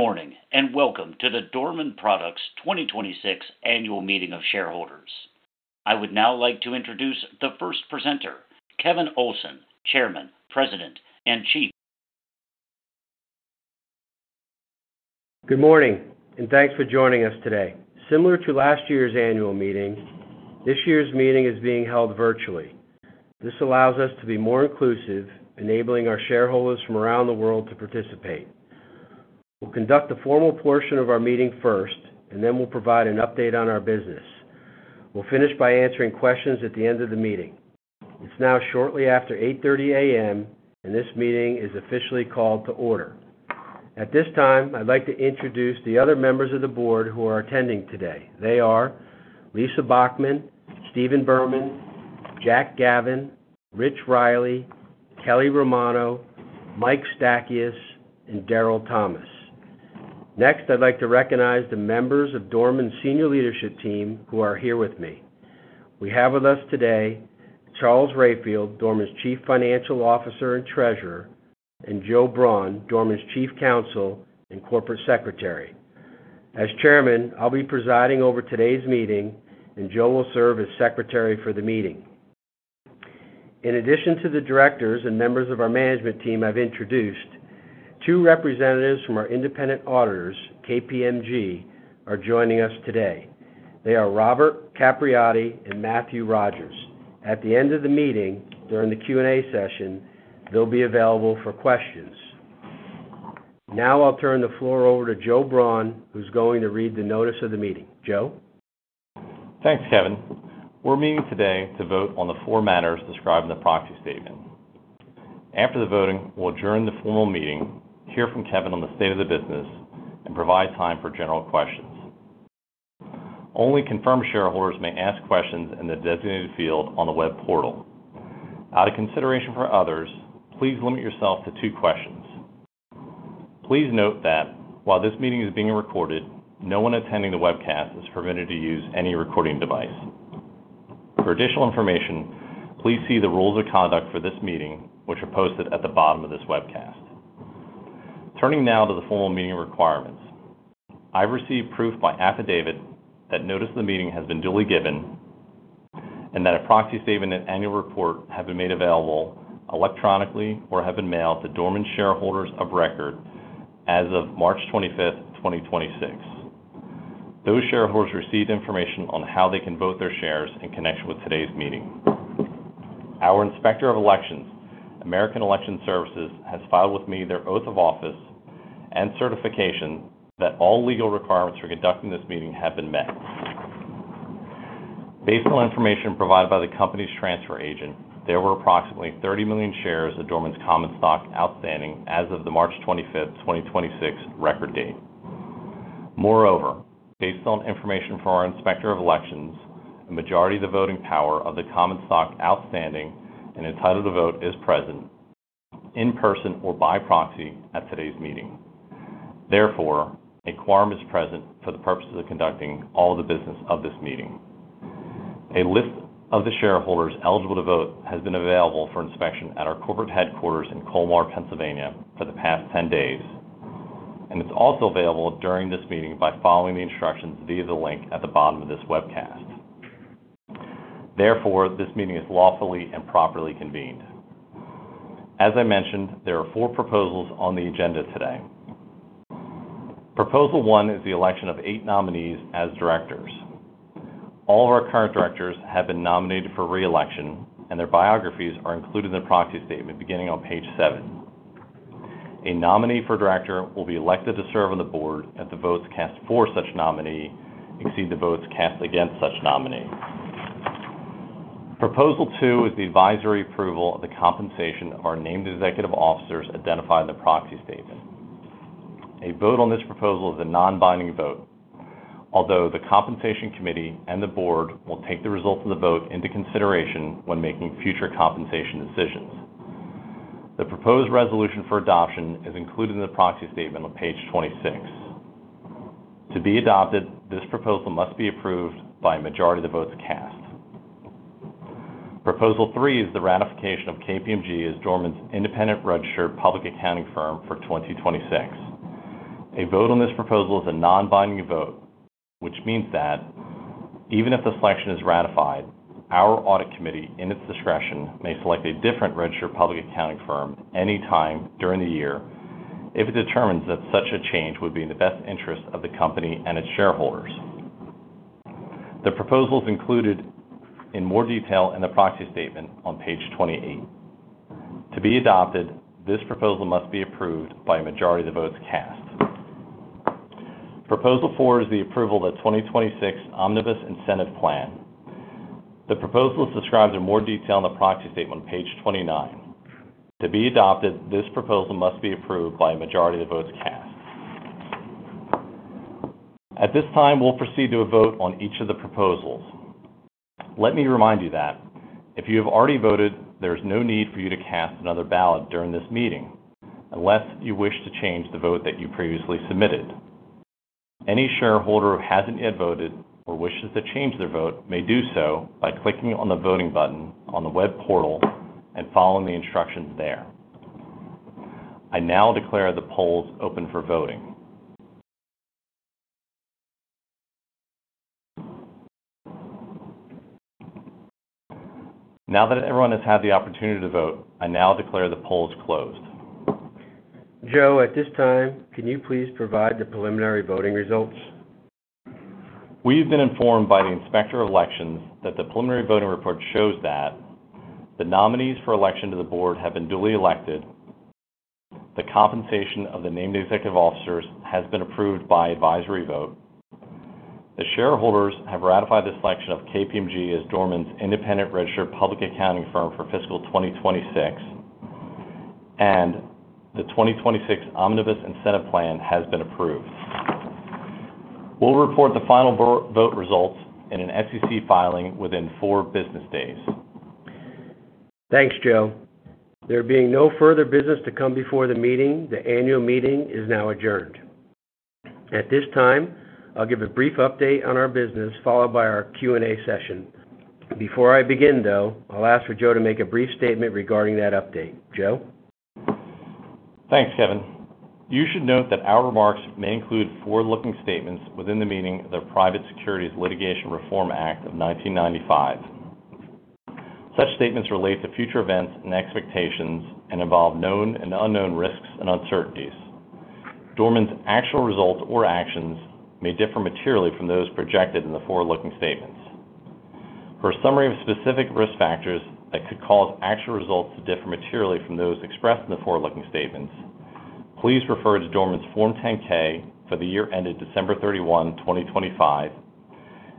Good morning, and welcome to the Dorman Products 2026 annual meeting of shareholders. I would now like to introduce the first presenter, Kevin Olsen, Chairman, President, and Chief- Good morning. Thanks for joining us today. Similar to last year's annual meeting, this year's meeting is being held virtually. This allows us to be more inclusive, enabling our shareholders from around the world to participate. We'll conduct the formal portion of our meeting first. Then we'll provide an update on our business. We'll finish by answering questions at the end of the meeting. It's now shortly after 8:30 A.M. This meeting is officially called to order. At this time, I'd like to introduce the other members of the board who are attending today. They are Lisa Bachmann, Steven Berman, John Gavin, Richard Riley, Kelly Romano, Mikes Stakias, and Darrell Thomas. I'd like to recognize the members of Dorman's senior leadership team who are here with me. We have with us today Charles Rayfield, Dorman's Chief Financial Officer and Treasurer, and Joe Braun, Dorman's Chief Counsel and Corporate Secretary. As Chairman, I'll be presiding over today's meeting, and Joe will serve as Secretary for the meeting. In addition to the directors and members of our management team I've introduced, two representatives from our independent auditors, KPMG, are joining us today. They are Robert Capriotti and Matthew Rogers. At the end of the meeting, during the Q&A session, they'll be available for questions. Now I'll turn the floor over to Joe Braun, who's going to read the notice of the meeting. Joe? Thanks, Kevin. We're meeting today to vote on the four matters described in the proxy statement. After the voting, we'll adjourn the formal meeting, hear from Kevin on the state of the business, and provide time for general questions. Only confirmed shareholders may ask questions in the designated field on the web portal. Out of consideration for others, please limit yourself to two questions. Please note that while this meeting is being recorded, no one attending the webcast is permitted to use any recording device. For additional information, please see the rules of conduct for this meeting, which are posted at the bottom of this webcast. Turning now to the formal meeting requirements. I received proof by affidavit that notice of the meeting has been duly given and that a proxy statement and annual report have been made available electronically or have been mailed to Dorman shareholders of record as of March 25th, 2026. Those shareholders received information on how they can vote their shares in connection with today's meeting. Our inspector of elections, American Election Services, has filed with me their oath of office and certification that all legal requirements for conducting this meeting have been met. Based on information provided by the company's transfer agent, there were approximately 30 million shares of Dorman's common stock outstanding as of the March 25th, 2026 record date. Moreover, based on information from our inspector of elections, a majority of the voting power of the common stock outstanding and entitled to vote is present in person or by proxy at today's meeting. Therefore, a quorum is present for the purposes of conducting all the business of this meeting. A list of the shareholders eligible to vote has been available for inspection at our corporate headquarters in Colmar, Pennsylvania for the past 10 days, and it's also available during this meeting by following the instructions via the link at the bottom of this webcast. Therefore, this meeting is lawfully and properly convened. As I mentioned, there are four proposals on the agenda today. Proposal 1 is the election of 8 nominees as directors. All of our current directors have been nominated for re-election, and their biographies are included in the proxy statement beginning on page 7. A nominee for director will be elected to serve on the board if the votes cast for such nominee exceed the votes cast against such nominee. Proposal 2 is the advisory approval of the compensation of our named executive officers identified in the proxy statement. A vote on this proposal is a non-binding vote, although the compensation committee and the board will take the results of the vote into consideration when making future compensation decisions. The proposed resolution for adoption is included in the proxy statement on page 26. To be adopted, this proposal must be approved by a majority of the votes cast. Proposal 3 is the ratification of KPMG as Dorman's independent registered public accounting firm for 2026. A vote on this proposal is a non-binding vote, which means that even if the selection is ratified, our audit committee, in its discretion, may select a different registered public accounting firm any time during the year if it determines that such a change would be in the best interest of the company and its shareholders. The proposal is included in more detail in the proxy statement on page 28. To be adopted, this proposal must be approved by a majority of the votes cast. Proposal four is the approval of the 2026 omnibus incentive plan. The proposal is described in more detail in the proxy statement on page 29. To be adopted, this proposal must be approved by a majority of the votes cast. At this time, we'll proceed to a vote on each of the proposals. Let me remind you that if you have already voted, there is no need for you to cast another ballot during this meeting unless you wish to change the vote that you previously submitted. Any shareholder who hasn't yet voted or wishes to change their vote may do so by clicking on the voting button on the web portal and following the instructions there. I now declare the polls open for voting. Now that everyone has had the opportunity to vote, I now declare the polls closed. Joe, at this time, can you please provide the preliminary voting results? We've been informed by the Inspector of Elections that the preliminary voting report shows that the nominees for election to the board have been duly elected, the compensation of the named executive officers has been approved by advisory vote, the shareholders have ratified the selection of KPMG as Dorman's independent registered public accounting firm for fiscal 2026, and the 2026 Omnibus Incentive Plan has been approved. We'll report the final vote results in an SEC filing within four business days. Thanks, Joe. There being no further business to come before the meeting, the annual meeting is now adjourned. At this time, I'll give a brief update on our business, followed by our Q&A session. Before I begin, though, I'll ask for Joe to make a brief statement regarding that update. Joe? Thanks, Kevin. You should note that our remarks may include forward-looking statements within the meaning of the Private Securities Litigation Reform Act of 1995. Such statements relate to future events and expectations and involve known and unknown risks and uncertainties. Dorman's actual results or actions may differ materially from those projected in the forward-looking statements. For a summary of specific risk factors that could cause actual results to differ materially from those expressed in the forward-looking statements, please refer to Dorman's Form 10-K for the year ended December 31, 2025,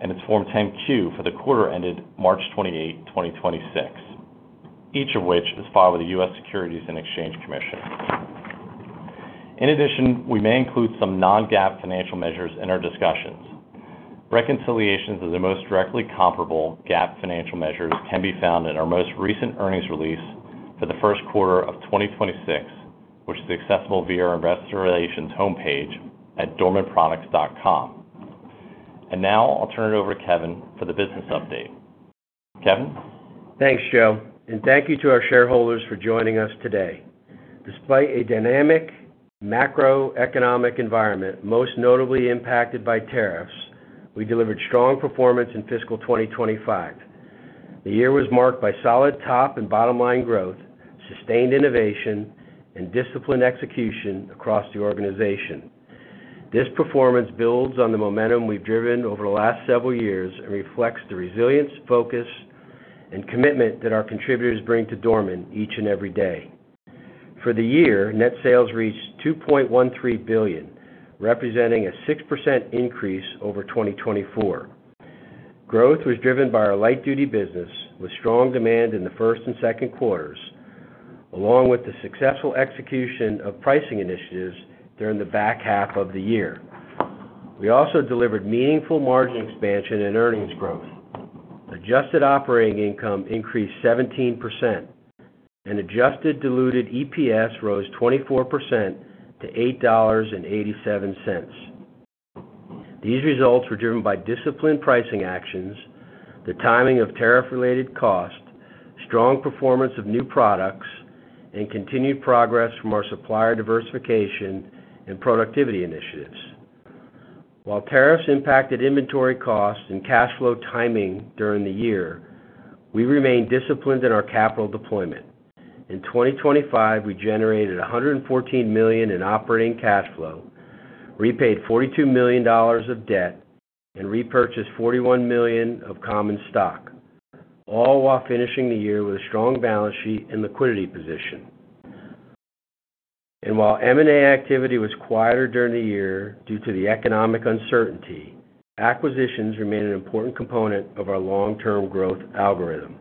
and its Form 10-Q for the quarter ended March 28, 2026, each of which is filed with the U.S. Securities and Exchange Commission. In addition, we may include some non-GAAP financial measures in our discussions. Reconciliations of the most directly comparable GAAP financial measures can be found in our most recent earnings release for the first quarter of 2026, which is accessible via our investor relations homepage at dormanproducts.com. Now, I'll turn it over to Kevin for the business update. Kevin? Thanks, Joe. Thank you to our shareholders for joining us today. Despite a dynamic macroeconomic environment, most notably impacted by tariffs, we delivered strong performance in fiscal 2025. The year was marked by solid top and bottom line growth, sustained innovation, and disciplined execution across the organization. This performance builds on the momentum we've driven over the last several years and reflects the resilience, focus, and commitment that our contributors bring to Dorman each and every day. For the year, net sales reached $2.13 billion, representing a 6% increase over 2024. Growth was driven by our light-duty business with strong demand in the first and second quarters, along with the successful execution of pricing initiatives during the back half of the year. We also delivered meaningful margin expansion and earnings growth. Adjusted operating income increased 17% and adjusted diluted EPS rose 24% to $8.87. These results were driven by disciplined pricing actions, the timing of tariff-related costs, strong performance of new products, and continued progress from our supplier diversification and productivity initiatives. While tariffs impacted inventory costs and cash flow timing during the year, we remained disciplined in our capital deployment. In 2025, we generated $114 million in operating cash flow, repaid $42 million of debt, and repurchased $41 million of common stock, all while finishing the year with a strong balance sheet and liquidity position. While M&A activity was quieter during the year due to the economic uncertainty, acquisitions remain an important component of our long-term growth algorithm.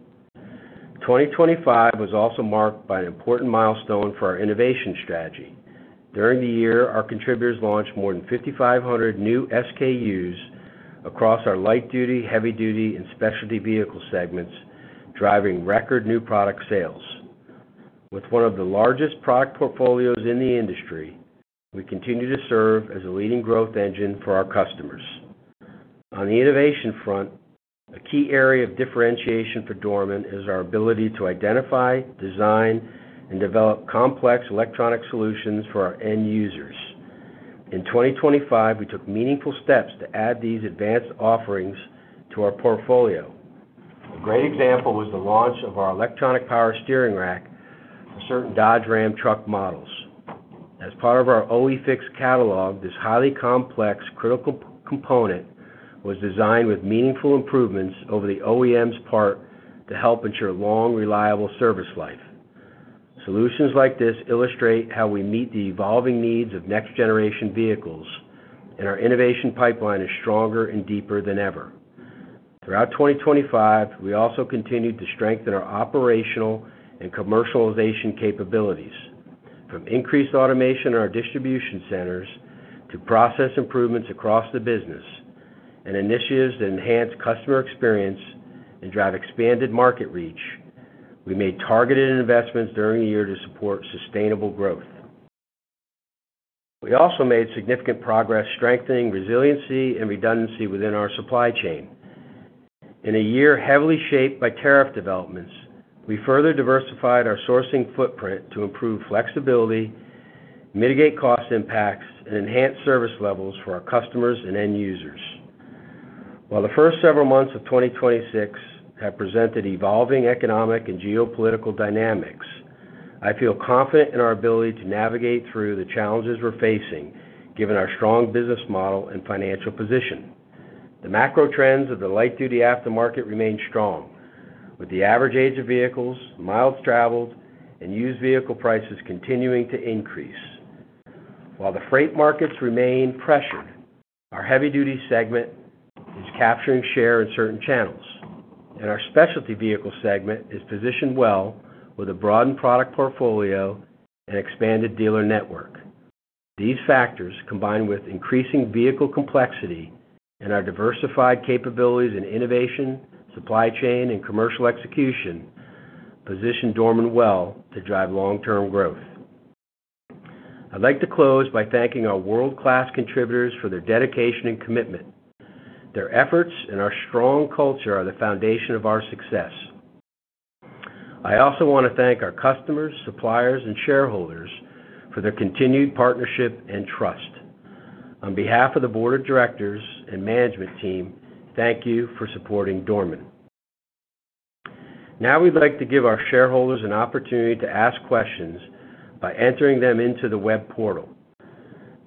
2025 was also marked by an important milestone for our innovation strategy. During the year, our contributors launched more than 5,500 new SKUs across our light-duty, heavy-duty, and specialty vehicle segments, driving record new product sales. With one of the largest product portfolios in the industry, we continue to serve as a leading growth engine for our customers. On the innovation front, a key area of differentiation for Dorman is our ability to identify, design, and develop complex electronic solutions for our end users. In 2025, we took meaningful steps to add these advanced offerings to our portfolio. A great example was the launch of our electronic power steering rack for certain Dodge Ram truck models. As part of our OE FIX catalog, this highly complex critical component was designed with meaningful improvements over the OEM's part to help ensure long, reliable service life. Solutions like this illustrate how we meet the evolving needs of next-generation vehicles. Our innovation pipeline is stronger and deeper than ever. Throughout 2025, we also continued to strengthen our operational and commercialization capabilities, from increased automation in our distribution centers to process improvements across the business and initiatives to enhance customer experience and drive expanded market reach. We made targeted investments during the year to support sustainable growth. We also made significant progress strengthening resiliency and redundancy within our supply chain. In a year heavily shaped by tariff developments, we further diversified our sourcing footprint to improve flexibility, mitigate cost impacts, and enhance service levels for our customers and end users. While the first several months of 2026 have presented evolving economic and geopolitical dynamics, I feel confident in our ability to navigate through the challenges we're facing given our strong business model and financial position. The macro trends of the light-duty aftermarket remain strong, with the average age of vehicles, miles traveled, and used vehicle prices continuing to increase. While the freight markets remain pressured, our heavy-duty segment is capturing share in certain channels, and our specialty vehicle segment is positioned well with a broadened product portfolio and expanded dealer network. These factors, combined with increasing vehicle complexity and our diversified capabilities in innovation, supply chain, and commercial execution, position Dorman well to drive long-term growth. I'd like to close by thanking our world-class contributors for their dedication and commitment. Their efforts and our strong culture are the foundation of our success. I also wanna thank our customers, suppliers, and shareholders for their continued partnership and trust. On behalf of the board of directors and management team, thank you for supporting Dorman. We'd like to give our shareholders an opportunity to ask questions by entering them into the web portal.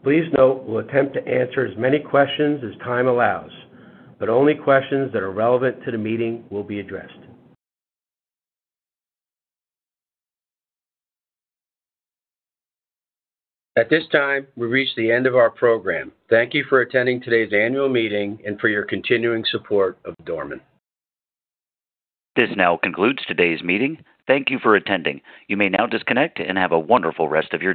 Please note we'll attempt to answer as many questions as time allows, but only questions that are relevant to the meeting will be addressed. At this time, we've reached the end of our program. Thank you for attending today's annual meeting and for your continuing support of Dorman. This now concludes today's meeting. Thank you for attending. You may now disconnect and have a wonderful rest of your day.